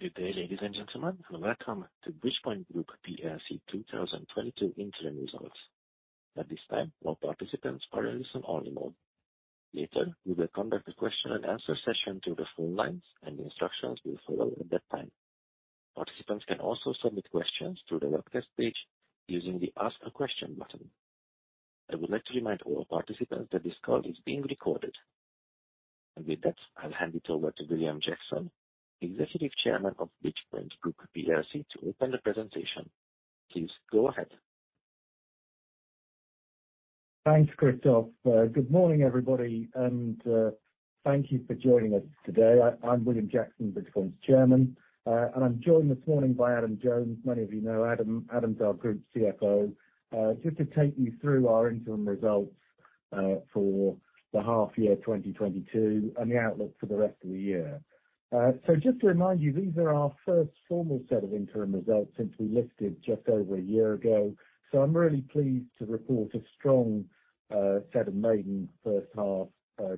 Good day, ladies and gentlemen, and welcome to Bridgepoint Group plc 2022 Interim Results. At this time, all participants are in listen only mode. Later, we will conduct a question and answer session through the phone lines, and instructions will follow at that time. Participants can also submit questions through the webcast page using the Ask a Question button. I would like to remind all participants that this call is being recorded. With that, I'll hand it over to William Jackson, Executive Chairman of Bridgepoint Group plc, to open the presentation. Please go ahead. Thanks, Christophe. Good morning, everybody, and thank you for joining us today. I'm William Jackson, Bridgepoint's Chairman. I'm joined this morning by Adam Jones. Many of you know Adam. Adam's our Group CFO. Just to take you through our interim results for the half year 2022 and the outlook for the rest of the year. Just to remind you, these are our first formal set of interim results since we listed just over a year ago. I'm really pleased to report a strong set of maiden first half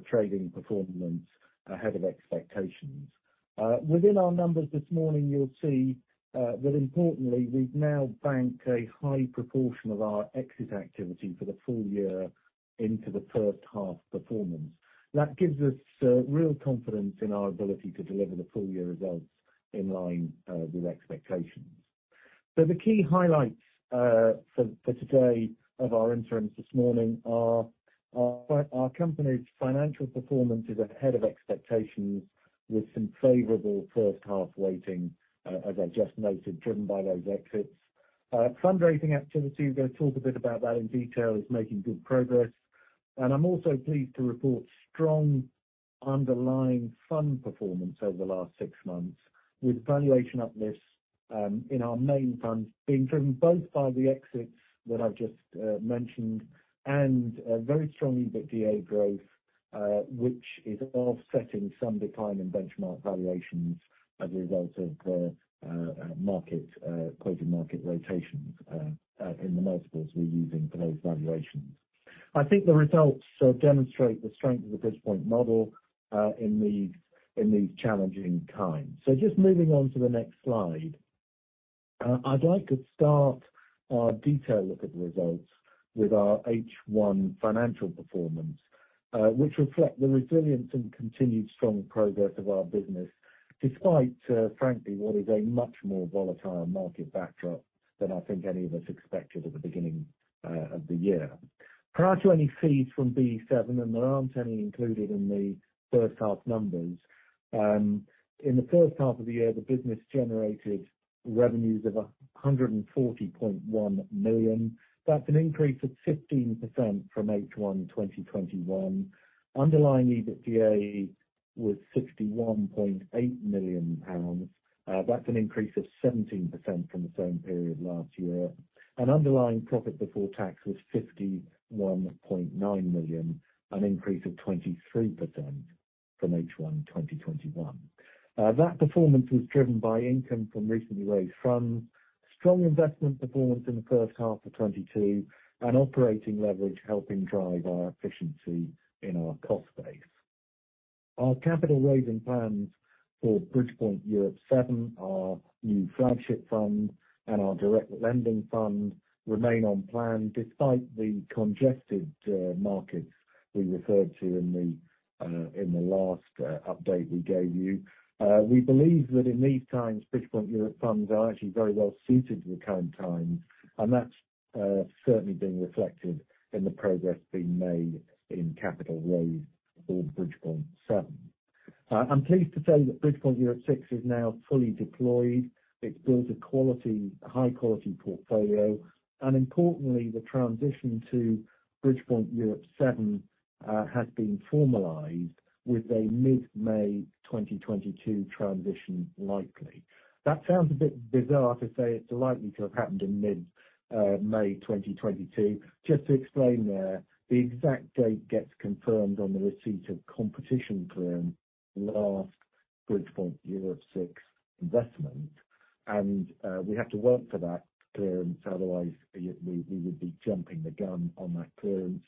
trading performance ahead of expectations. Within our numbers this morning, you'll see that importantly, we've now banked a high proportion of our exit activity for the full year into the first half performance. That gives us real confidence in our ability to deliver the full year results in line with expectations. The key highlights for today of our interims this morning are our company's financial performance is ahead of expectations with some favorable first half weighting as I just noted, driven by those exits. Fundraising activity, we're gonna talk a bit about that in detail, is making good progress. I'm also pleased to report strong underlying fund performance over the last six months, with valuation uplifts in our main funds being driven both by the exits that I've just mentioned and a very strong EBITDA growth, which is offsetting some decline in benchmark valuations as a result of quoted market rotations in the multiples we're using for those valuations. I think the results demonstrate the strength of the Bridgepoint model in these challenging times. Just moving on to the next slide. I'd like to start our detailed look at the results with our H1 financial performance, which reflect the resilience and continued strong progress of our business, despite frankly, what is a much more volatile market backdrop than I think any of us expected at the beginning of the year. Prior to any fees from BE VII, and there aren't any included in the first half numbers. In the first half of the year, the business generated revenues of 140.1 million. That's an increase of 15% from H1 2021. Underlying EBITDA was 61.8 million pounds. That's an increase of 17% from the same period last year. Underlying profit before tax was 51.9 million, an increase of 23% from H1 2021. That performance was driven by income from recently raised funds, strong investment performance in the first half of 2022, and operating leverage helping drive our efficiency in our cost base. Our capital raising plans for Bridgepoint Europe VII, our new flagship fund, and our direct lending fund remain on plan despite the congested markets we referred to in the last update we gave you. We believe that in these times, Bridgepoint Europe funds are actually very well suited to the current times, and that's certainly being reflected in the progress being made in capital raise for Bridgepoint VII. I'm pleased to say that Bridgepoint Europe VI is now fully deployed. It builds a quality, high-quality portfolio, and importantly, the transition to Bridgepoint Europe VII has been formalized with a mid-May 2022 transition likely. That sounds a bit bizarre to say it's likely to have happened in mid-May 2022. Just to explain there, the exact date gets confirmed on the receipt of competition clearance, last Bridgepoint Europe VI investment. We have to work for that clearance, otherwise we would be jumping the gun on that clearance.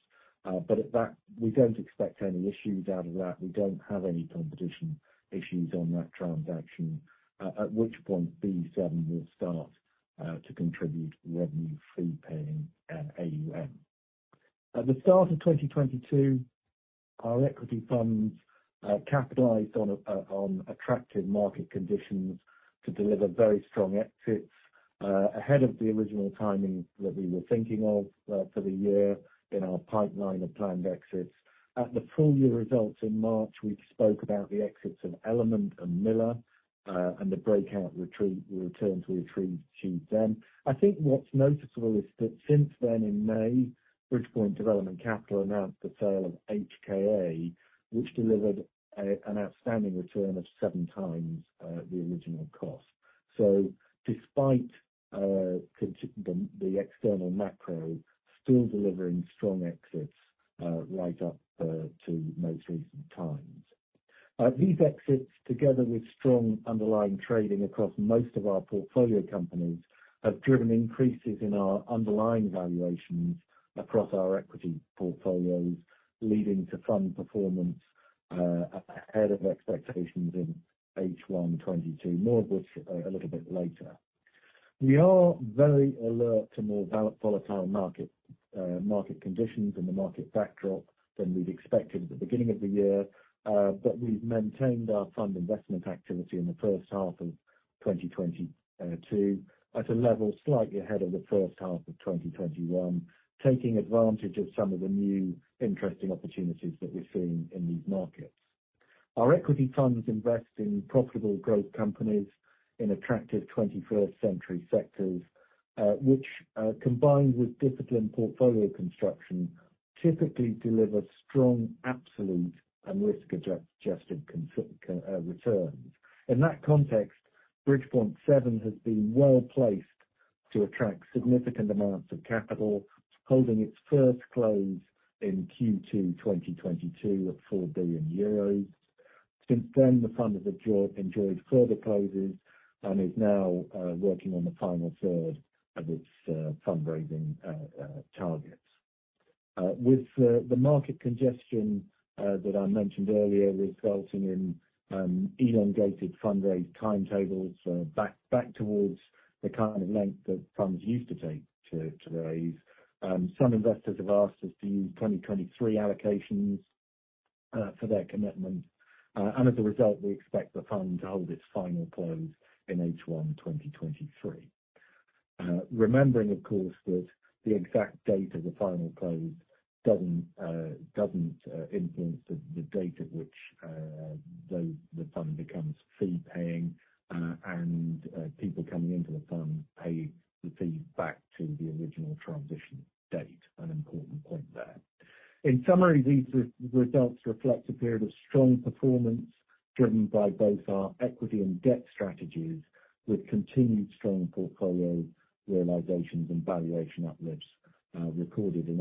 But at that, we don't expect any issues out of that. We don't have any competition issues on that transaction. At which point BE VII will start to contribute revenue fee paying AUM. At the start of 2022, our equity funds capitalized on attractive market conditions to deliver very strong exits ahead of the original timing that we were thinking of for the year in our pipeline of planned exits. At the full year results in March, we spoke about the exits of Element and Miller and the returns to them. I think what's noticeable is that since then in May, Bridgepoint Development Capital announced the sale of HKA, which delivered an outstanding return of 7x the original cost. Despite the external macro still delivering strong exits right up to most recent times. These exits, together with strong underlying trading across most of our portfolio companies, have driven increases in our underlying valuations across our equity portfolios, leading to fund performance ahead of expectations in H1 2022. More of which, a little bit later. We are very alert to more volatile market conditions and the market backdrop than we'd expected at the beginning of the year. We've maintained our fund investment activity in the first half of 2022 at a level slightly ahead of the first half of 2021, taking advantage of some of the new interesting opportunities that we're seeing in these markets. Our equity funds invest in profitable growth companies in attractive twenty-first century sectors, which, combined with disciplined portfolio construction, typically deliver strong absolute and risk-adjusted returns. In that context, Bridgepoint Europe VII has been well placed to attract significant amounts of capital, holding its first close in Q2 2022 at 4 billion euros. Since then, the fund has enjoyed further closes and is now working on the final third of its fundraising targets. With the market congestion that I mentioned earlier, resulting in elongated fundraise timetables back towards the kind of length that funds used to take to raise, some investors have asked us to use 2023 allocations for their commitment. As a result, we expect the fund to hold its final close in H1 2023. Remembering, of course, that the exact date of the final close doesn't influence the date at which the fund becomes fee paying, and people coming into the fund pay the fees back to the original transition date. An important point there. In summary, these results reflect a period of strong performance driven by both our equity and debt strategies, with continued strong portfolio realizations and valuation uplifts recorded in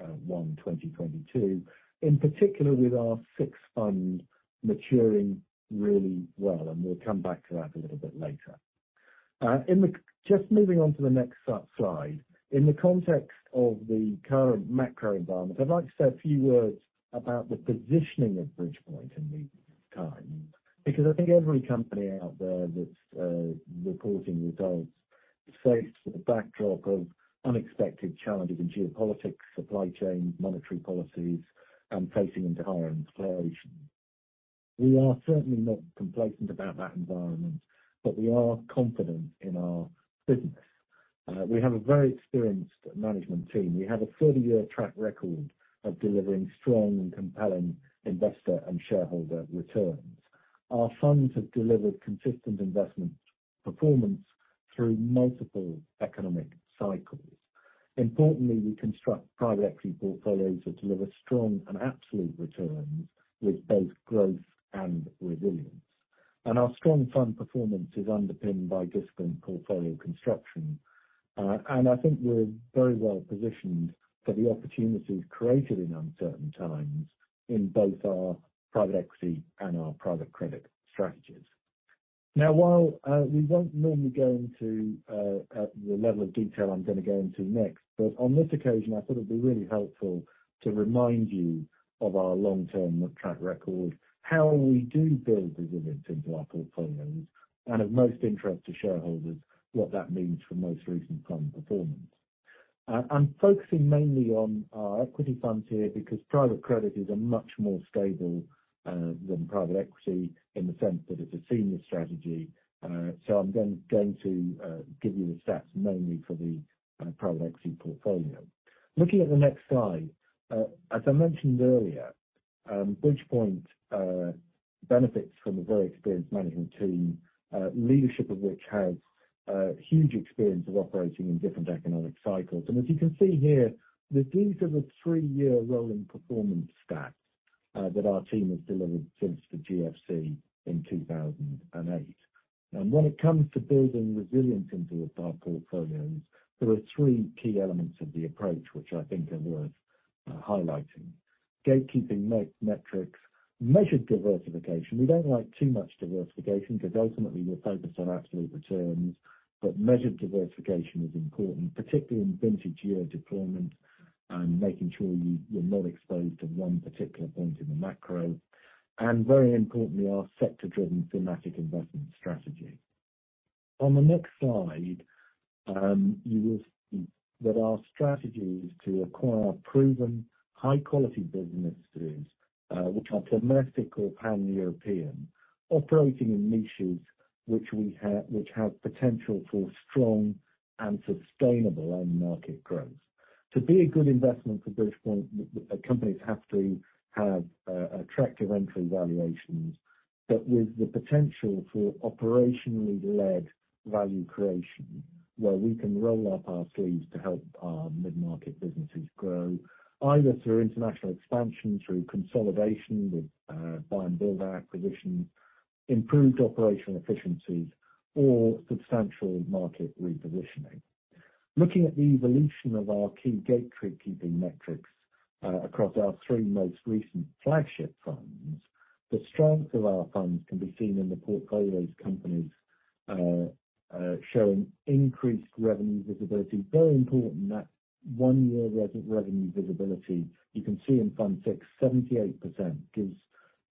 H1 2022. In particular, with our sixth fund maturing really well, and we'll come back to that a little bit later. Just moving on to the next slide. In the context of the current macro environment, I'd like to say a few words about the positioning of Bridgepoint in these times. Because I think every company out there that's reporting results is faced with a backdrop of unexpected challenges in geopolitics, supply chain, monetary policies and pricing into higher inflation. We are certainly not complacent about that environment, but we are confident in our business. We have a very experienced management team. We have a 30-year track record of delivering strong and compelling investor and shareholder returns. Our funds have delivered consistent investment performance through multiple economic cycles. Importantly, we construct private equity portfolios that deliver strong and absolute returns with both growth and resilience. Our strong fund performance is underpinned by disciplined portfolio construction. I think we're very well positioned for the opportunities created in uncertain times in both our private equity and our private credit strategies. Now, while we won't normally go into the level of detail I'm gonna go into next, but on this occasion, I thought it'd be really helpful to remind you of our long-term track record, how we do build resilience into our portfolios, and of most interest to shareholders, what that means for most recent fund performance. I'm focusing mainly on our equity funds here because private credit is a much more stable than private equity in the sense that it's a senior strategy. I'm going to give you the stats mainly for the private equity portfolio. Looking at the next slide. As I mentioned earlier, Bridgepoint benefits from a very experienced management team, leadership of which has huge experience of operating in different economic cycles. As you can see here, that these are the three-year rolling performance stats that our team has delivered since the GFC in 2008. When it comes to building resilience into our portfolios, there are three key elements of the approach which I think are worth highlighting. Gatekeeping metrics, measured diversification. We don't like too much diversification because ultimately we're focused on absolute returns. Measured diversification is important, particularly in vintage year deployment and making sure you're not exposed at one particular point in the macro. Very importantly, our sector-driven thematic investment strategy. On the next slide, you will see that our strategy is to acquire proven high-quality businesses, which are domestic or Pan-European, operating in niches which have potential for strong and sustainable end market growth. To be a good investment for Bridgepoint, companies have to have attractive entry valuations, but with the potential for operationally led value creation, where we can roll up our sleeves to help our mid-market businesses grow, either through international expansion, through consolidation with buy and build acquisitions, improved operational efficiencies or substantial market repositioning. Looking at the evolution of our key gatekeeping metrics across our three most recent flagship funds, the strength of our funds can be seen in the portfolio's companies showing increased revenue visibility. Very important that one-year revenue visibility. You can see in fund six, 78% gives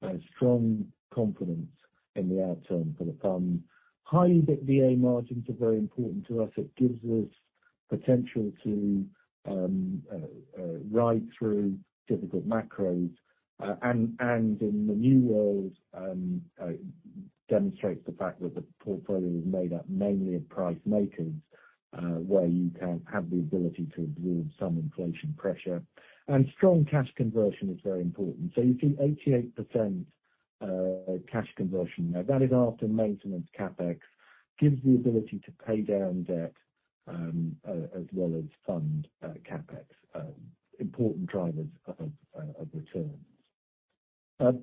me strong confidence in the outcome for the fund. High EBITDA margins are very important to us. It gives us potential to ride through difficult macros, and in the new world demonstrates the fact that the portfolio is made up mainly of price makers, where you can have the ability to absorb some inflation pressure. Strong cash conversion is very important. You see 88% cash conversion. Now that is after maintenance CapEx. Gives the ability to pay down debt, as well as fund CapEx. Important drivers of returns.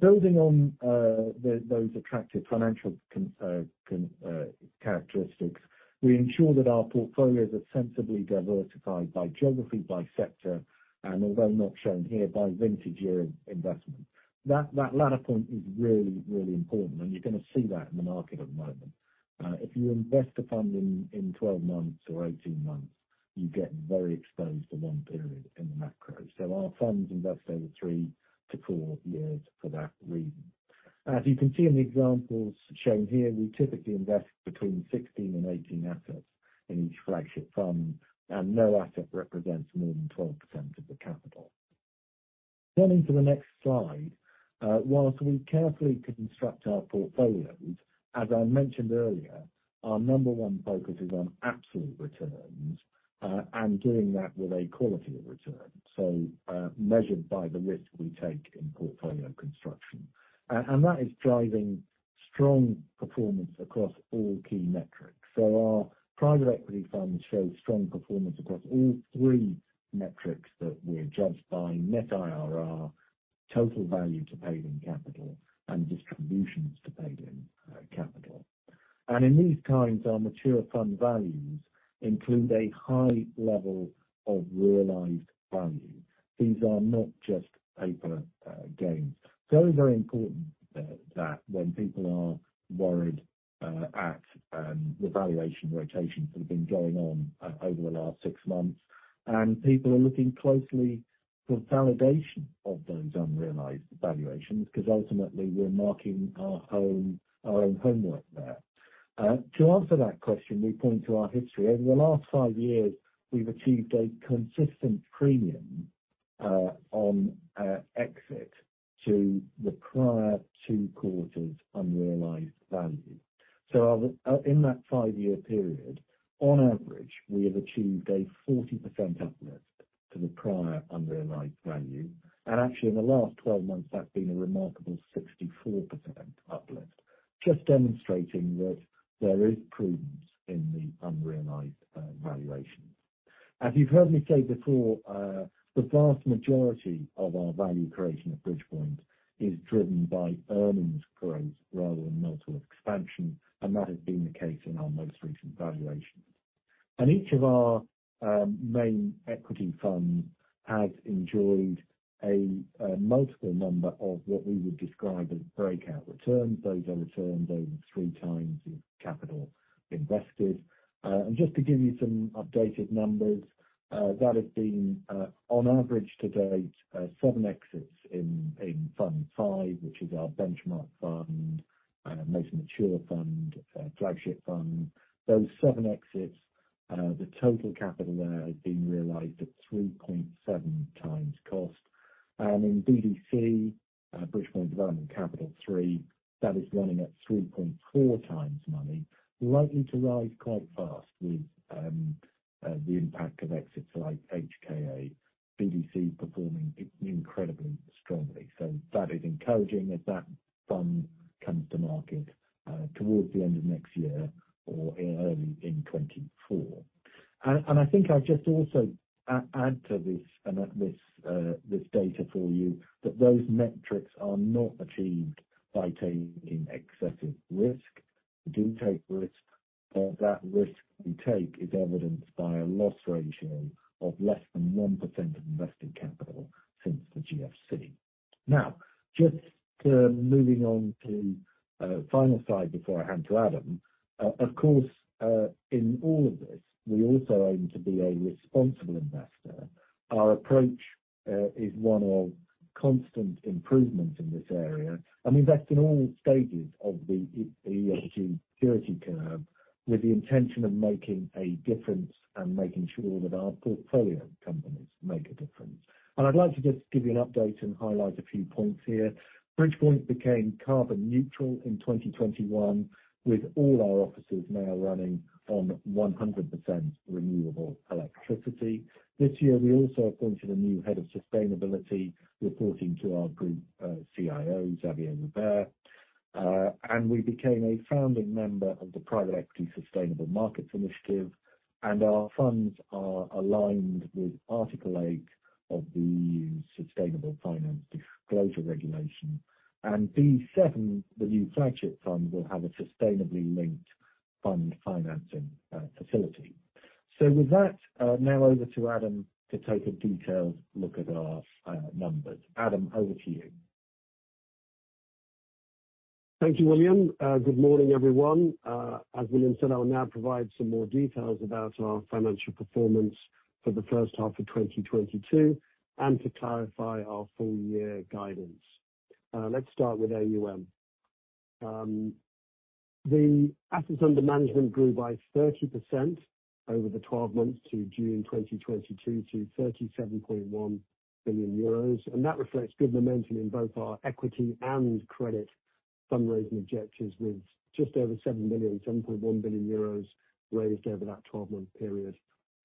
Building on those attractive financial characteristics, we ensure that our portfolios are sensibly diversified by geography, by sector and although not shown here, by vintage year investment. That latter point is really important, and you're gonna see that in the market at the moment. If you invest in a fund in 12 months or 18 months, you get very exposed for one period in the macro. Our funds invest over 3-4 years for that reason. As you can see in the examples shown here, we typically invest between 16 and 18 assets in each flagship fund, and no asset represents more than 12% of the capital. Turning to the next slide. While we carefully construct our portfolios, as I mentioned earlier, our number one focus is on absolute returns and doing that with a quality of return, measured by the risk we take in portfolio construction. That is driving strong performance across all key metrics. Our private equity funds show strong performance across all three metrics that we're judged by net IRR, total value to paid-in capital, and distributions to paid-in capital. In these times, our mature fund values include a high level of realized value. These are not just paper gains. It's always very important that when people are worried about the valuation rotations that have been going on over the last 6 months, and people are looking closely for validation of those unrealized valuations, 'cause ultimately we're marking our own homework there. To answer that question, we point to our history. Over the last five years, we've achieved a consistent premium on exit to the prior 2 quarters' unrealized value. In that five-year period, on average, we have achieved a 40% uplift to the prior unrealized value. Actually, in the last 12 months, that's been a remarkable 64% uplift, just demonstrating that there is prudence in the unrealized valuations. As you've heard me say before, the vast majority of our value creation at Bridgepoint is driven by earnings growth rather than multiple expansion, and that has been the case in our most recent valuations. Each of our main equity funds has enjoyed a multiple number of what we would describe as breakout returns. Those are returns over 3x the capital invested. Just to give you some updated numbers, that has been on average to date seven exits in fund five, which is our benchmark fund, most mature fund, flagship fund. Those seven exits, the total capital there has been realized at 3.7x cost. In BDC, Bridgepoint Development Capital three, that is running at 3.4 times money, likely to rise quite fast with the impact of exits like HKA. BDC performing incredibly strongly. That is encouraging as that fund comes to market towards the end of next year or in early 2024. I think I'll just also add to this data for you, that those metrics are not achieved by taking excessive risk. We do take risk, but that risk we take is evidenced by a loss ratio of less than 1% of invested capital since the GFC. Now, just moving on to final slide before I hand to Adam. Of course, in all of this, we also aim to be a responsible investor. Our approach is one of constant improvement in this area, and invest in all stages of the ESG security curve with the intention of making a difference and making sure that our portfolio companies make a difference. I'd like to just give you an update and highlight a few points here. Bridgepoint became carbon neutral in 2021, with all our offices now running on 100% renewable electricity. This year, we also appointed a new head of sustainability, reporting to our group CIO, Xavier Robert. We became a founding member of the Private Equity Sustainable Markets Initiative, and our funds are aligned with Article 8 of the EU Sustainable Finance Disclosure Regulation. BE VII, the new flagship fund, will have a sustainability linked fund financing facility. With that, now over to Adam to take a detailed look at our numbers. Adam, over to you. Thank you, William. Good morning, everyone. As William said, I will now provide some more details about our financial performance for the first half of 2022 and to clarify our full year guidance. Let's start with AUM. The assets under management grew by 30% over the 12 months to June 2022 to 37.1 billion euros. That reflects good momentum in both our equity and credit fundraising objectives, with just over 7.1 billion euros raised over that 12-month period.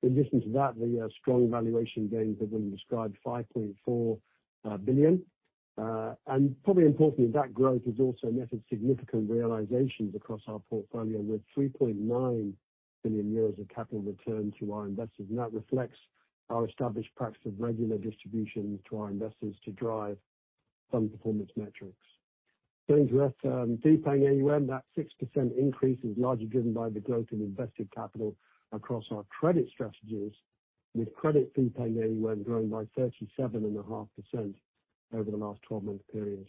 In addition to that, the strong valuation gains that William described, 5.4 billion. Probably importantly, that growth has also netted significant realizations across our portfolio, with 3.9 billion euros of capital returned to our investors. That reflects our established practice of regular distribution to our investors to drive fund performance metrics. Turning to fee paying AUM, that 6% increase is largely driven by the growth in invested capital across our credit strategies, with credit fee paying AUM growing by 37.5% over the last 12-month period.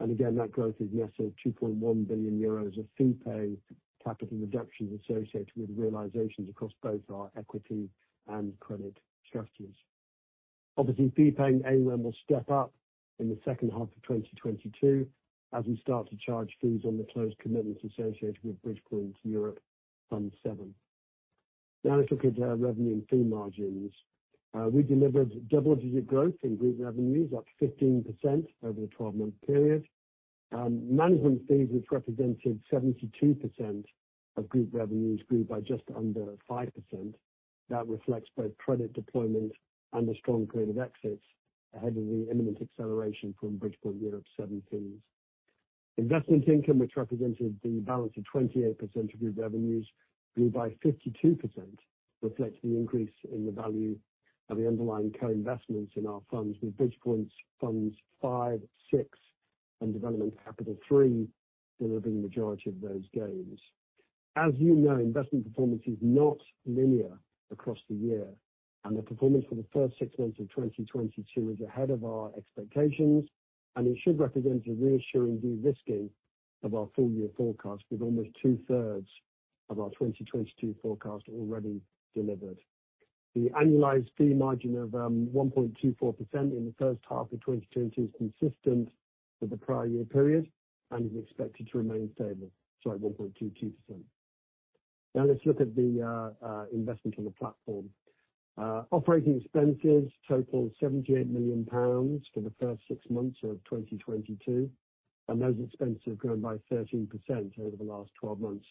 Again, that growth is offset by 2.1 billion euros of fee paid capital reductions associated with realizations across both our equity and credit strategies. Obviously, fee paying AUM will step up in the second half of 2022 as we start to charge fees on the closed commitments associated with Bridgepoint Europe VII. Now let's look into our revenue and fee margins. We delivered double-digit growth in group revenues, up 15% over the 12-month period. Management fees, which represented 72% of group revenues, grew by just under 5%. That reflects both credit deployment and the strong period of exits ahead of the imminent acceleration from Bridgepoint Europe VII fees. Investment income, which represented the balance of 28% of group revenues, grew by 52%. That reflects the increase in the value of the underlying co-investments in our funds, with Bridgepoint Europe V, VI, and Development Capital III delivering the majority of those gains. As you know, investment performance is not linear across the year, and the performance for the first six months of 2022 is ahead of our expectations, and it should represent a reassuring de-risking of our full year forecast, with almost two-thirds of our 2022 forecast already delivered. The annualized fee margin of 1.24% in the first half of 2022 is consistent with the prior year period and is expected to remain stable. Sorry, 1.22%. Now let's look at the investment in the platform. Operating expenses totaled 78 million pounds for the first six months of 2022, and those expenses have grown by 13% over the last 12 months,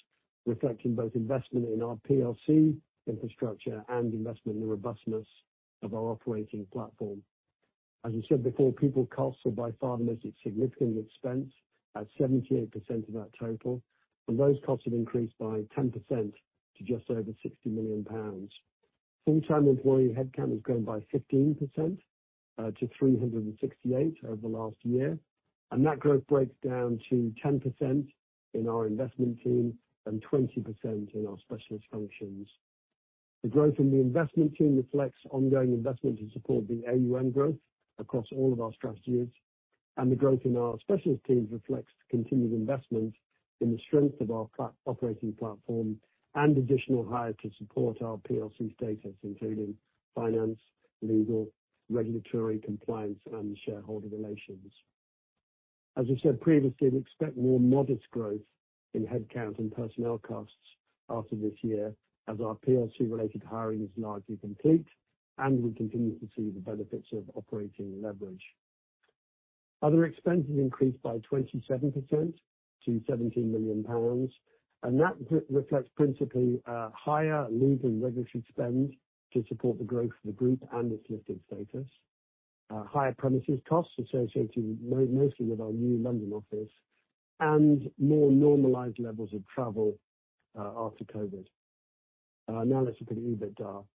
reflecting both investment in our PLC infrastructure and investment in the robustness of our operating platform. As we said before, people costs are by far the most significant expense at 78% of that total, and those costs have increased by 10% to just over 60 million pounds. Full-time employee headcount has grown by 15%, to 368 over the last year, and that growth breaks down to 10% in our investment team and 20% in our specialist functions. The growth in the investment team reflects ongoing investment to support the AUM growth across all of our strategies, and the growth in our specialist teams reflects continued investment in the strength of our operating platform and additional hires to support our PLC status, including finance, legal, regulatory compliance and shareholder relations. As we said previously, we expect more modest growth in headcount and personnel costs after this year as our PLC-related hiring is largely complete and we continue to see the benefits of operating leverage. Other expenses increased by 27% to 17 million pounds, and that reflects principally higher legal and regulatory spend to support the growth of the group and its listed status. Higher premises costs associated mostly with our new London office and more normalized levels of travel after COVID. Now let's look at EBITDA.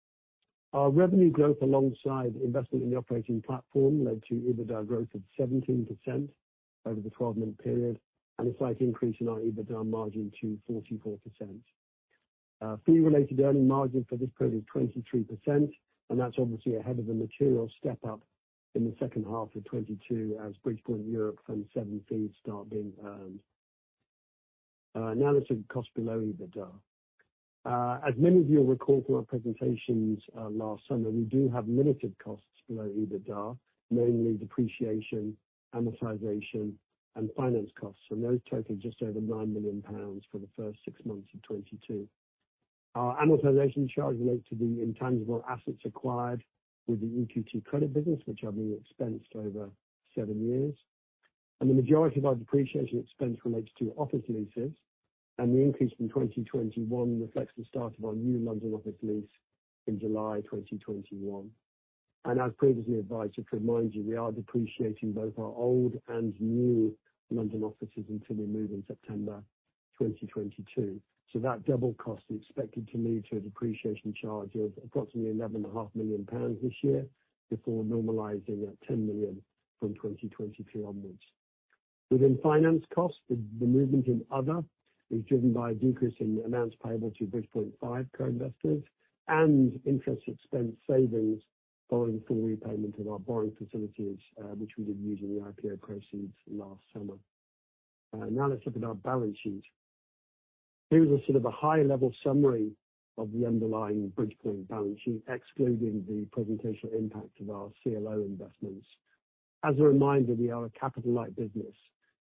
Our revenue growth alongside investment in the operating platform led to EBITDA growth of 17% over the 12-month period and a slight increase in our EBITDA margin to 44%. Fee-related earnings margin for this period is 23%, and that's obviously ahead of a material step-up in the second half of 2022 as Bridgepoint Europe VII fees start being earned. Now let's look at costs below EBITDA. As many of you will recall from our presentations last summer, we do have limited costs below EBITDA, mainly depreciation, amortization, and finance costs. Those total just over 9 million pounds for the first six months of 2022. Our amortization charge relate to the intangible assets acquired with the EQT Credit business, which are being expensed over seven years. The majority of our depreciation expense relates to office leases, and the increase from 2021 reflects the start of our new London office lease in July 2021. As previously advised, just to remind you, we are depreciating both our old and new London offices until we move in September 2022. That double cost is expected to lead to a depreciation charge of approximately 11.5 million pounds this year before normalizing at 10 million from 2023 onwards. Within finance costs, the movement in other is driven by a decrease in amounts payable to Bridgepoint V co-investors and interest expense savings following full repayment of our borrowing facilities, which we did using the IPO proceeds last summer. Now let's look at our balance sheet. Here's a sort of a high level summary of the underlying Bridgepoint balance sheet, excluding the presentational impact of our CLO investments. As a reminder, we are a capital-light business,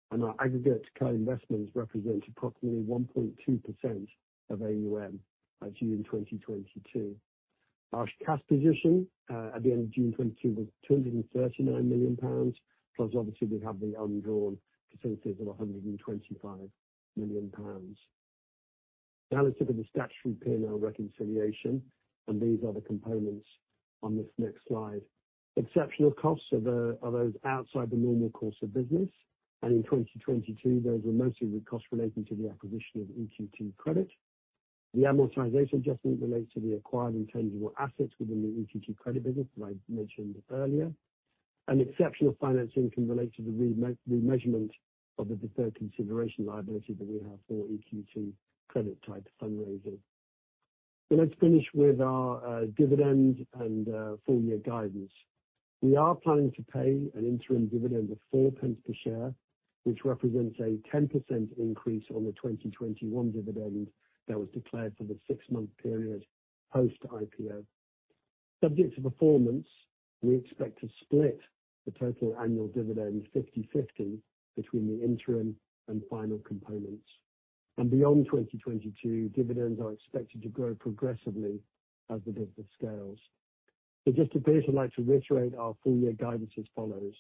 and our aggregate co-investments represent approximately 1.2% of AUM as of June 2022. Our cash position at the end of June 2022 was 239 million pounds, plus obviously we have the undrawn facilities of 125 million pounds. Now, let's look at the statutory P&L reconciliation, and these are the components on this next slide. Exceptional costs are those outside the normal course of business, and in 2022, those were mostly the costs relating to the acquisition of EQT Credit. The amortization adjustment relates to the acquired intangible assets within the EQT Credit business that I mentioned earlier. Exceptional finance income relates to the remeasurement of the deferred consideration liability that we have for EQT Credit type fundraising. Let's finish with our dividend and full year guidance. We are planning to pay an interim dividend of 0.04 per share, which represents a 10% increase on the 2021 dividend that was declared for the six-month period post IPO. Subject to performance, we expect to split the total annual dividend 50/50 between the interim and final components. Beyond 2022, dividends are expected to grow progressively as the business scales. Just to finish, I'd like to reiterate our full year guidance as follows.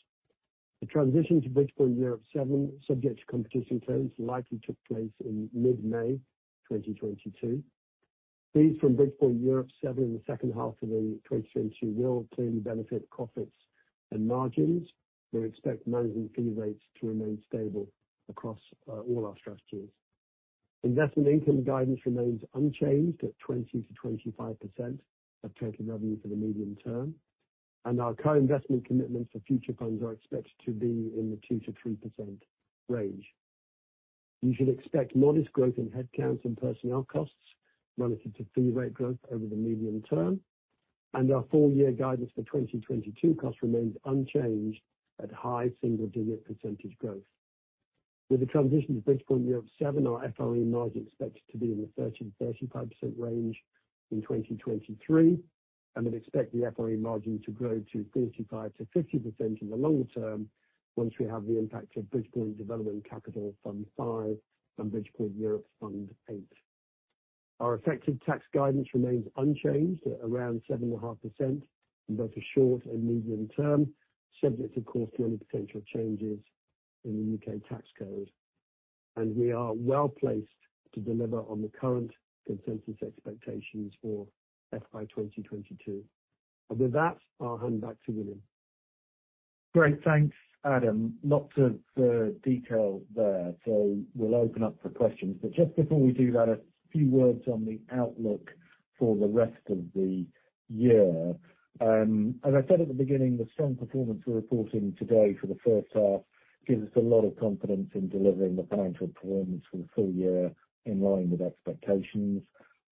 The transition to Bridgepoint Europe VII, subject to competition terms, likely took place in mid-May 2022. Fees from Bridgepoint Europe VII in the second half of 2022 will clearly benefit profits and margins. We expect management fee rates to remain stable across all our strategies. Investment income guidance remains unchanged at 20%-25% of total revenue for the medium term, and our co-investment commitments for future funds are expected to be in the 2%-3% range. You should expect modest growth in headcount and personnel costs relative to fee rate growth over the medium term, and our full year guidance for 2022 costs remains unchanged at high single-digit % growth. With the transition to Bridgepoint Europe VII, our FRE margin is expected to be in the 30%-35% range in 2023, and we expect the FRE margin to grow to 35%-50% in the long term once we have the impact of Bridgepoint Development Capital V and Bridgepoint Europe VIII. Our effective tax guidance remains unchanged at around 7.5% in both the short and medium term, subject of course to any potential changes in the U.K. tax code. We are well placed to deliver on the current consensus expectations for FY 2022. With that, I'll hand back to William. Great. Thanks, Adam. Lots of detail there. We'll open up for questions. Just before we do that, a few words on the outlook for the rest of the year. As I said at the beginning, the strong performance we're reporting today for the first half gives us a lot of confidence in delivering the financial performance for the full year in line with expectations.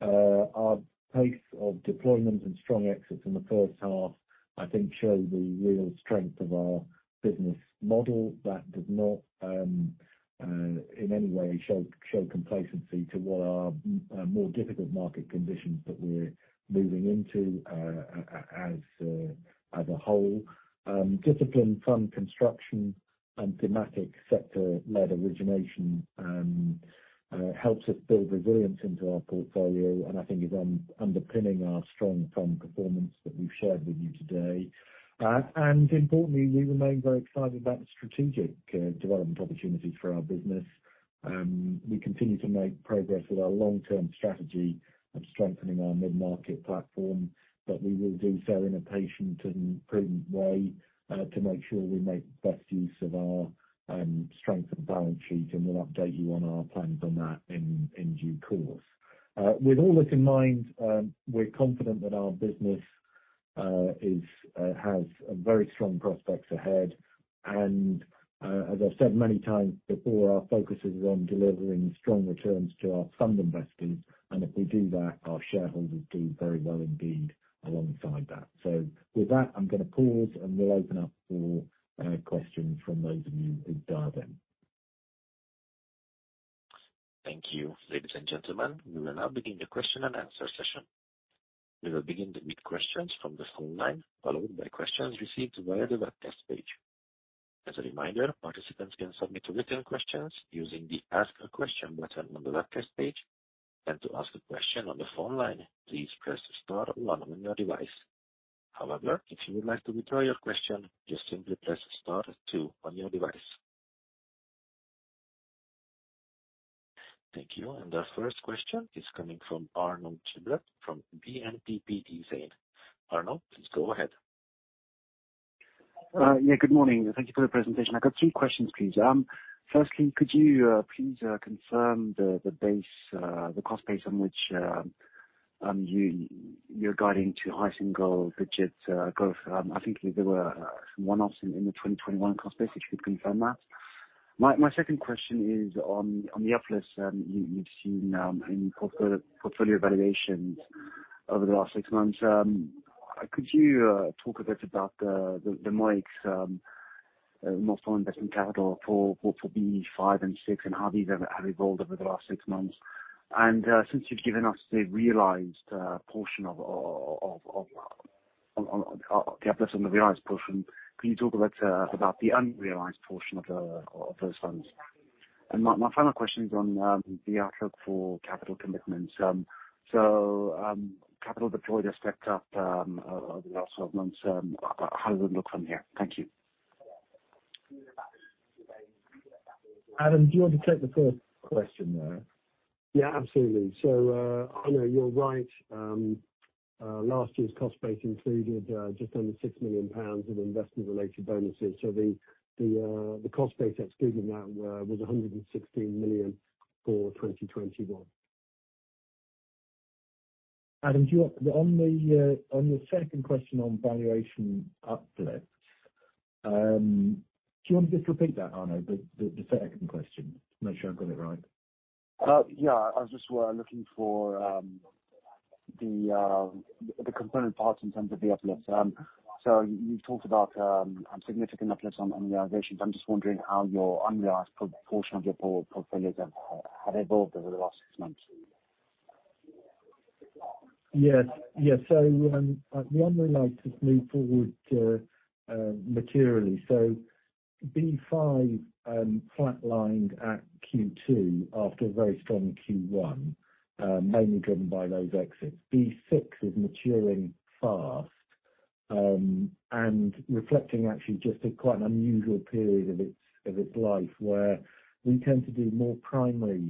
Our pace of deployment and strong exits in the first half, I think show the real strength of our business model that does not in any way show complacency to what are more difficult market conditions that we're moving into as a whole. Disciplined fund construction and thematic sector-led origination helps us build resilience into our portfolio, and I think is underpinning our strong fund performance that we've shared with you today. Importantly, we remain very excited about the strategic development opportunities for our business. We continue to make progress with our long-term strategy of strengthening our mid-market platform, but we will do so in a patient and prudent way to make sure we make best use of our strength and balance sheet, and we'll update you on our plans on that in due course. With all this in mind, we're confident that our business has very strong prospects ahead. As I've said many times before, our focus is on delivering strong returns to our fund investors. If we do that, our shareholders do very well indeed alongside that. With that, I'm gonna pause, and we'll open up for questions from those of you who've dialed in. Thank you. Ladies and gentlemen, we will now begin the question and answer session. We will begin with questions from the phone line, followed by questions received via the webcast page. As a reminder, participants can submit written questions using the Ask a Question button on the webcast page. To ask a question on the phone line, please press star one on your device. However, if you would like to withdraw your question, just simply press star two on your device. Thank you. Our first question is coming from Arnaud Giblat from BNP Paribas Exane. Arnaud, please go ahead. Yeah, good morning. Thank you for the presentation. I got three questions, please. Firstly, could you please confirm the cost base on which you're guiding to high single digits growth? I think there were some one-offs in the 2021 cost base, if you could confirm that. My second question is on the uplift you've seen in portfolio valuations over the last six months. Could you talk a bit about the mix. My question on investment capital for BDC V and VI, and how these have evolved over the last six months. Since you've given us the realized portion, can you talk a bit about the unrealized portion of those funds? My final question is on the outlook for capital commitments. Capital deployed has stepped up over the last 12 months. How does it look from here? Thank you. Adam, do you want to take the first question there? Yeah, absolutely. Arnaud, you're right. Last year's cost base included just under 6 million pounds of investment-related bonuses. The cost base excluding that was 116 million for 2021. On the second question on valuation uplift, do you want to just repeat that, Arnaud, the second question? To make sure I've got it right. Yeah. I was just looking for the component parts in terms of the uplift. You've talked about significant uplifts on realizations. I'm just wondering how your unrealized portion of your portfolios have evolved over the last six months. Yes. Yes. The unrealized has moved forward materially. B5 flatlined at Q2 after a very strong Q1, mainly driven by those exits. B6 is maturing fast and reflecting actually just a quite unusual period of its life, where we tend to do more primary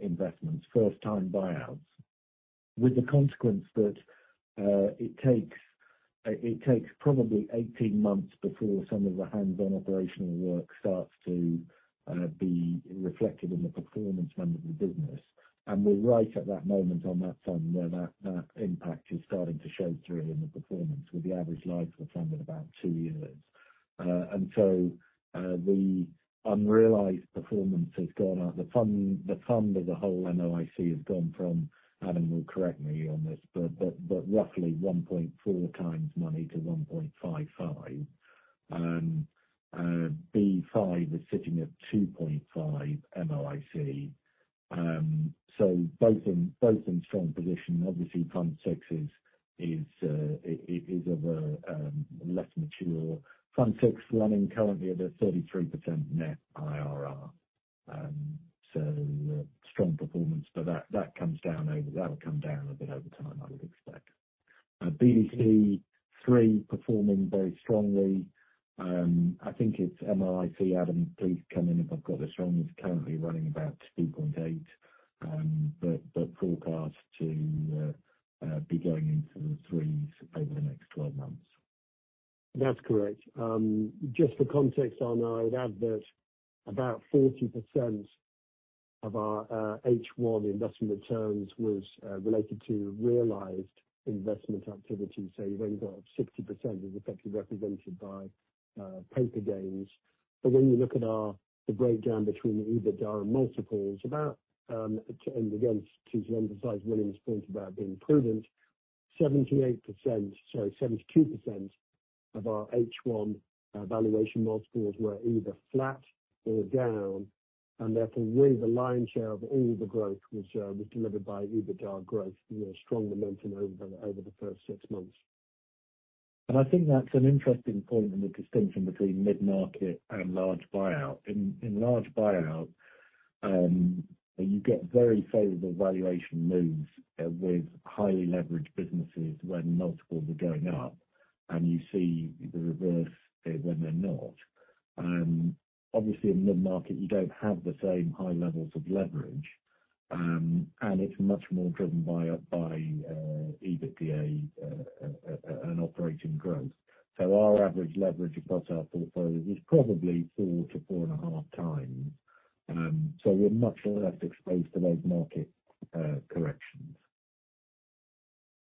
investments, first time buyouts. With the consequence that, it takes probably 18 months before some of the hands-on operational work starts to be reflected in the performance of the business. We're right at that moment on that fund where that impact is starting to show through in the performance with the average life of the fund at about two years. The unrealized performance has gone up. The fund as a whole, MOIC, has gone from, Adam will correct me on this, but roughly 1.4 times money to 1.55. BE V is sitting at 2.5 MOIC. So both in strong position. Obviously, Fund VI is a less mature. Fund VI running currently at a 33% net IRR. So strong performance, but that comes down over time. That'll come down a bit over time, I would expect. BDC III performing very strongly. I think it's MOIC. Adam, please come in if I've got this wrong. It's currently running about 2.8, but forecast to be going into the 3s over the next twelve months. That's correct. Just for context, Arnaud, I would add that about 40% of our H1 investment returns was related to realized investment activity. So you've only got 60% is effectively represented by paper gains. When you look at our, the breakdown between the EBITDA and multiples, about, and again, to emphasize William's point about being prudent, 72% of our H1 valuation multiples were either flat or down, and therefore really the lion's share of all the growth was delivered by EBITDA growth. You know, strong momentum over the first six months. I think that's an interesting point in the distinction between mid-market and large buyout. In large buyout, you get very favorable valuation moves with highly leveraged businesses when multiples are going up, and you see the reverse when they're not. Obviously in mid-market you don't have the same high levels of leverage, and it's much more driven by EBITDA and operating growth. Our average leverage across our portfolio is probably 4-4.5 times. We're much less exposed to those market corrections.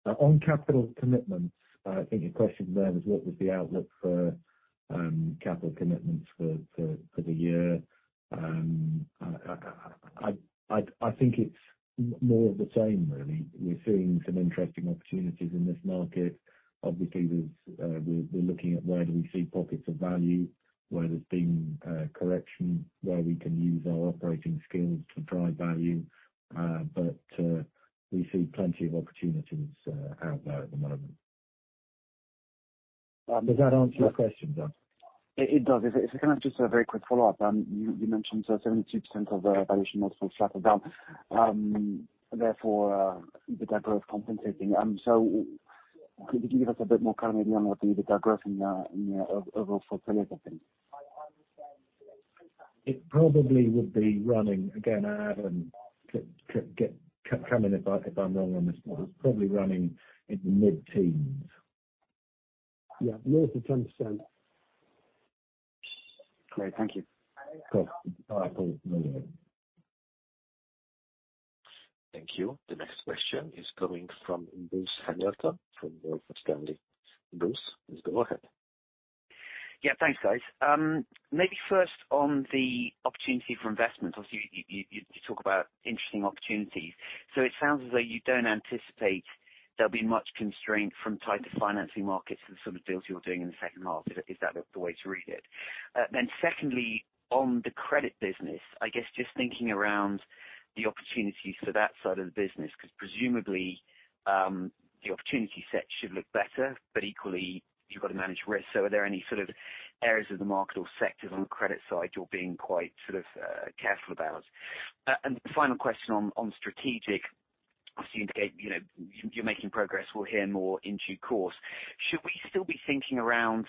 On capital commitments, I think your question there was what was the outlook for capital commitments for the year? I think it's more of the same really. We're seeing some interesting opportunities in this market. Obviously, we're looking at where we see pockets of value, where there's been correction, where we can use our operating skills to drive value. We see plenty of opportunities out there at the moment. Does that answer your question, though? It does. It's kind of just a very quick follow-up. You mentioned 72% of the valuation multiples flat or down, therefore, the debt growth compensating. Could you give us a bit more color maybe on what the debt growth in the overall portfolio looks like? It probably would be running. Again, Adam, come in if I'm wrong on this one. It's probably running in the mid-teens. Yeah. Low to 10%. Great. Thank you. No. Thank you. The next question is coming from Bruce Hamilton from Morgan Stanley. Bruce, please go ahead. Yeah. Thanks, guys. Maybe first on the opportunity for investment. Obviously, you talk about interesting opportunities. So it sounds as though you don't anticipate there'll be much constraint from tighter financing markets and sort of deals you're doing in the second half. Is that the way to read it? Secondly, on the credit business, I guess just thinking around the opportunities for that side of the business, 'cause presumably, the opportunity set should look better, but equally you've got to manage risk. So are there any sort of areas of the market or sectors on credit side you're being quite sort of careful about? Final question on strategic. Obviously you indicate, you know, you're making progress. We'll hear more in due course. Should we still be thinking around,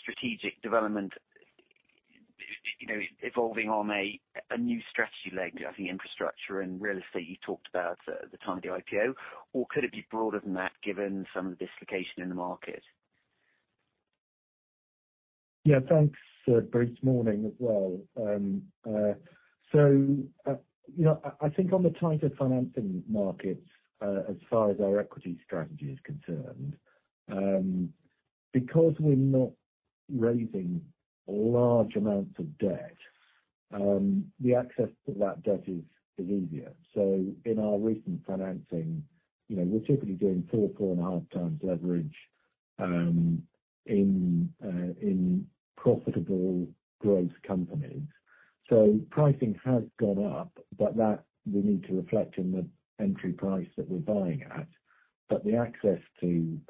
strategic development, you know, evolving on a new strategy leg, I think infrastructure and real estate you talked about at the time of the IPO, or could it be broader than that given some of the dislocation in the market? Yeah. Thanks, Bruce. Morning as well. You know, I think on the tighter financing markets, as far as our equity strategy is concerned, because we're not raising large amounts of debt, the access to that debt is easier. In our recent financing, you know, we're typically doing 4-4.5x leverage in profitable growth companies. Pricing has gone up, but that we need to reflect in the entry price that we're buying at. The access to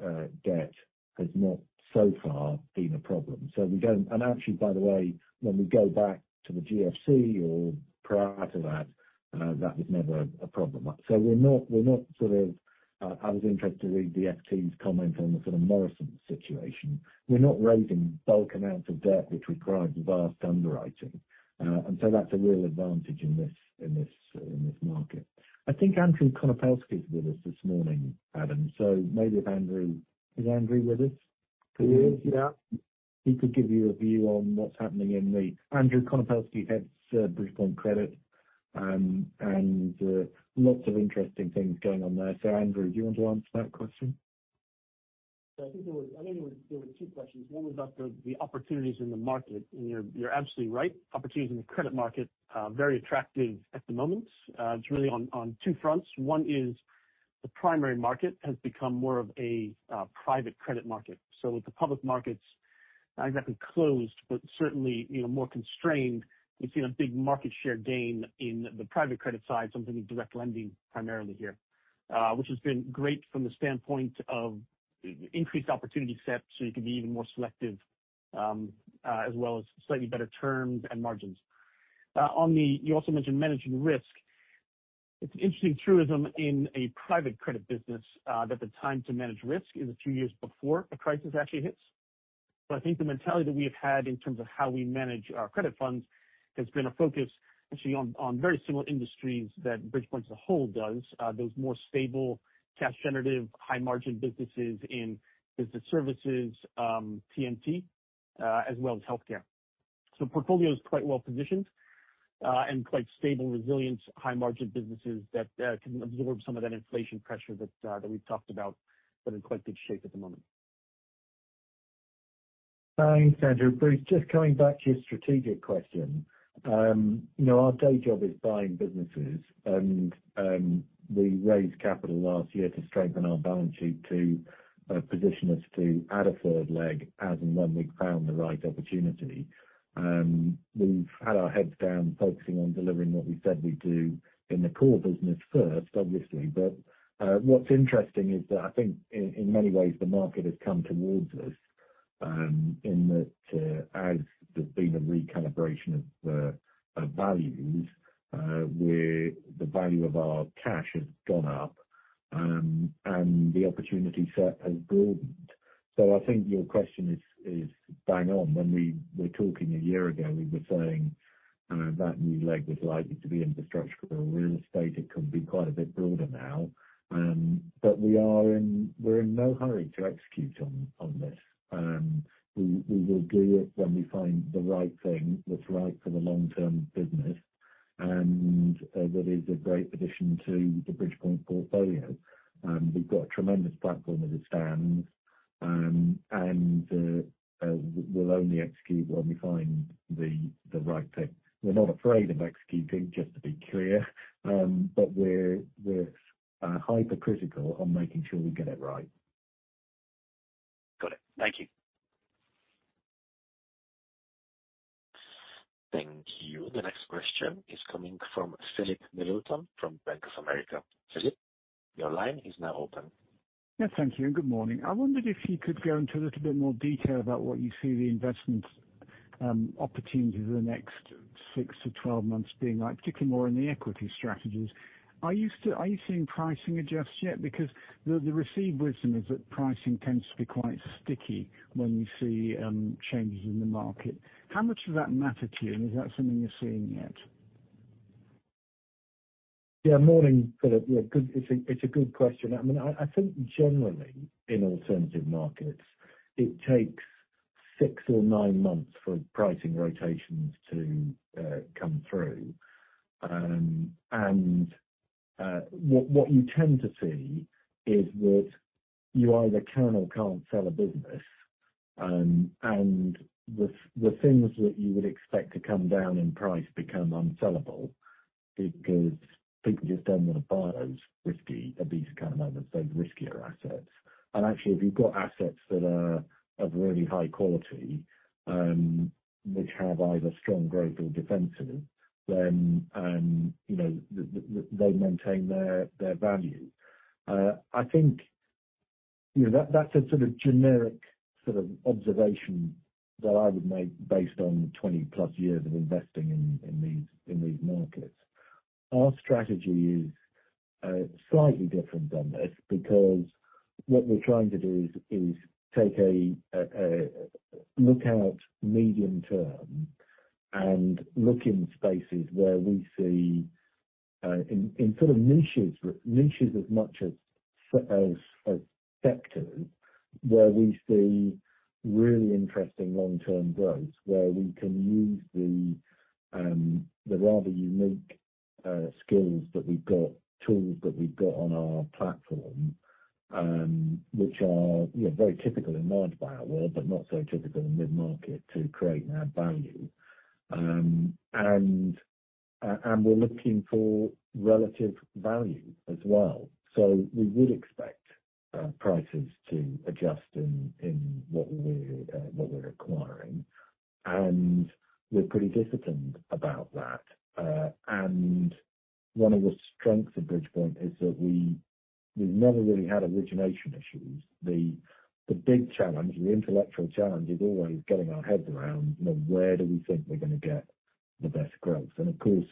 debt has not so far been a problem. Actually, by the way, when we go back to the GFC or prior to that was never a problem. We're not sort of. I was interested to read the FT's comment on the sort of Morrisons situation. We're not raising bulk amounts of debt which requires vast underwriting. That's a real advantage in this market. I think Andrew Konopelski is with us this morning, Adam. Maybe if Andrew is with us? He is, yeah. He could give you a view on what's happening. Andrew Konopelski heads Bridgepoint Credit and lots of interesting things going on there. Andrew, do you want to answer that question? I know there were two questions. One was about the opportunities in the market, and you're absolutely right. Opportunities in the credit market are very attractive at the moment. It's really on two fronts. One is the primary market has become more of a private credit market. With the public markets not exactly closed, but certainly, you know, more constrained, we've seen a big market share gain in the private credit side, something in direct lending primarily here. Which has been great from the standpoint of increased opportunity set. So you can be even more selective, as well as slightly better terms and margins. You also mentioned managing risk. It's an interesting truism in a private credit business, that the time to manage risk is a few years before a crisis actually hits. I think the mentality that we have had in terms of how we manage our credit funds has been a focus actually on very similar industries that Bridgepoint as a whole does. Those more stable cash generative, high margin businesses in business services, TMT, as well as healthcare. Portfolio is quite well positioned, and quite stable, resilient, high margin businesses that can absorb some of that inflation pressure that we've talked about, but in quite good shape at the moment. Thanks, Andrew. Bruce, just coming back to your strategic question. You know, our day job is buying businesses and we raised capital last year to strengthen our balance sheet to position us to add a third leg as and when we found the right opportunity. We've had our heads down focusing on delivering what we said we'd do in the core business first, obviously. What's interesting is that I think in many ways the market has come towards us, in that as there's been a recalibration of values, where the value of our cash has gone up and the opportunity set has broadened. I think your question is bang on. When we were talking a year ago, we were saying that new leg was likely to be infrastructure or real estate. It could be quite a bit broader now. We're in no hurry to execute on this. We will do it when we find the right thing that's right for the long term business and that is a great addition to the Bridgepoint portfolio. We've got a tremendous platform as it stands, and we'll only execute when we find the right thing. We're not afraid of executing, just to be clear. We're hypercritical on making sure we get it right. Got it. Thank you. Thank you. The next question is coming from Philip Sheridan from Bank of America. Philip, your line is now open. Yeah. Thank you. Good morning. I wondered if you could go into a little bit more detail about what you see the investment opportunities in the next 6 to 12 months being like, particularly more in the equity strategies. Are you seeing pricing adjust yet? Because the received wisdom is that pricing tends to be quite sticky when you see changes in the market. How much does that matter to you, and is that something you're seeing yet? Yeah. Morning, Philip. Yeah, good. It's a good question. I mean, I think generally in alternative markets, it takes six or nine months for pricing rotations to come through. What you tend to see is that you either can or can't sell a business, and the things that you would expect to come down in price become unsellable because people just don't want to buy those riskier assets at these kind of moments. Actually, if you've got assets that are of really high quality, which have either strong growth or defensive, then you know, they maintain their value. I think, you know, that's a sort of generic sort of observation that I would make based on 20-plus years of investing in these markets. Our strategy is slightly different than this because what we're trying to do is take a look out medium term and look in spaces where we see in sort of niches as much as sectors. Where we see really interesting long-term growth, where we can use the rather unique skills that we've got, tools that we've got on our platform, which are, you know, very typical in large buyout world, but not so typical in mid-market to create our value. We're looking for relative value as well. We would expect prices to adjust in what we're acquiring. We're pretty disciplined about that. One of the strengths of Bridgepoint is that we've never really had origination issues. The big challenge, the intellectual challenge is always getting our heads around, you know, where do we think we're gonna get the best growth? Of course,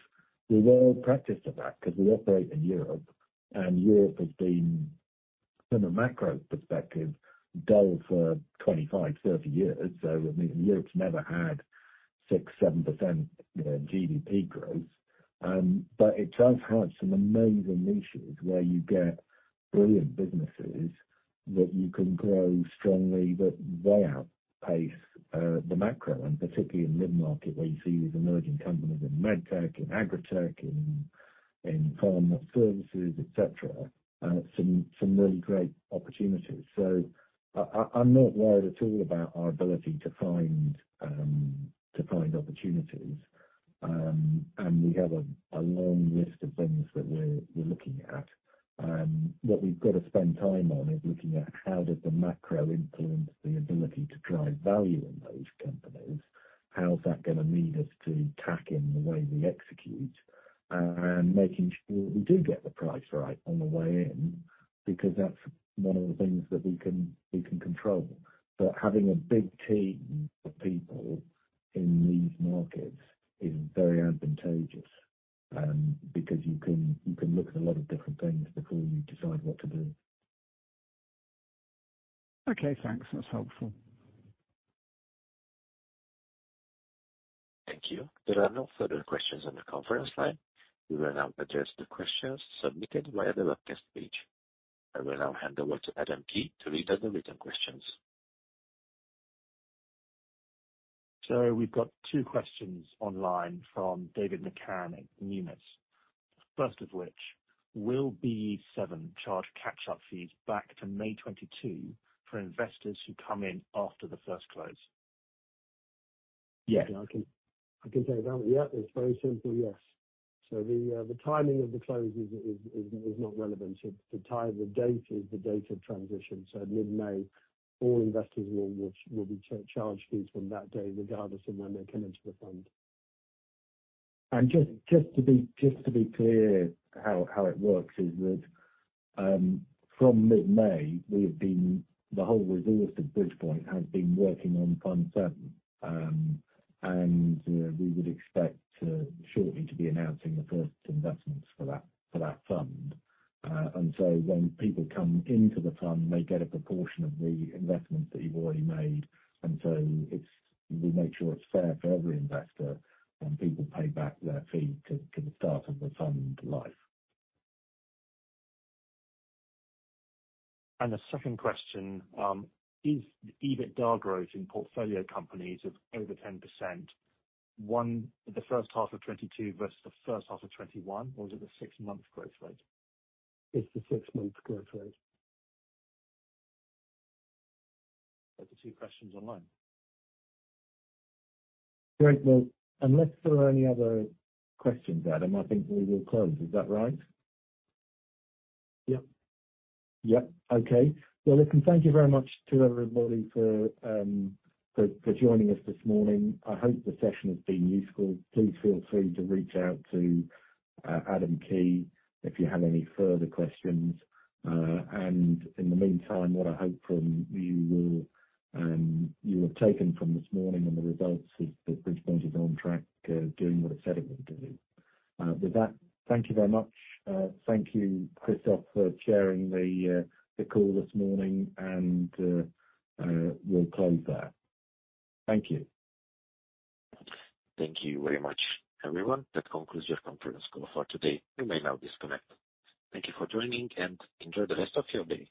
we're well practiced at that because we operate in Europe, and Europe has been, from a macro perspective, dull for 25, 30 years. I mean, Europe's never had 6, 7%, you know, GDP growth. But it does have some amazing niches where you get brilliant businesses that you can grow strongly, that they outpace the macro, and particularly in mid-market, where you see these emerging companies in med tech, in agritech, in farm services, et cetera, some really great opportunities. I'm not worried at all about our ability to find opportunities. And we have a long list of things that we're looking at. What we've got to spend time on is looking at how does the macro influence the ability to drive value in those companies, how's that gonna lead us to tack in the way we execute, and making sure we do get the price right on the way in, because that's one of the things that we can control. Having a big team of people in these markets is very advantageous, because you can look at a lot of different things before you decide what to do. Okay, thanks. That's helpful. Thank you. There are no further questions on the conference line. We will now address the questions submitted via the webcast page. I will now hand over to Adam Key to read out the written questions. We've got two questions online from David McCann at Numis. First of which, will Bridgepoint Europe VII charge catch-up fees back to May 2022 for investors who come in after the first close? Yeah. I can take that one. Yeah, it's very simple, yes. The timing of the close is not relevant. The date is the date of transition. mid-May, all investors will be charged fees from that day, regardless of when they come into the fund. Just to be clear how it works is that from mid-May, the whole resource of Bridgepoint has been working on Fund VII. We would expect shortly to be announcing the first investments for that fund. When people come into the fund, they get a proportion of the investments that you've already made. We make sure it's fair for every investor, and people pay back their fee to the start of the fund life. The second question is the EBITDA growth in portfolio companies of over 10% in the first half of 2022 versus the first half of 2021, or is it the six-month growth rate? It's the six-month growth rate. That's the two questions online. Great. Well, unless there are any other questions, Adam, I think we will close. Is that right? Yep. Yep. Okay. Well, listen, thank you very much to everybody for joining us this morning. I hope the session has been useful. Please feel free to reach out to Adam Key if you have any further questions. In the meantime, what I hope you have taken from this morning and the results is that Bridgepoint is on track, doing what it said it would do. With that, thank you very much. Thank you, Christophe, for chairing the call this morning and we'll close there. Thank you. Thank you very much, everyone. That concludes your conference call for today. You may now disconnect. Thank you for joining, and enjoy the rest of your day.